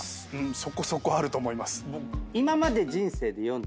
そこそこあると思います。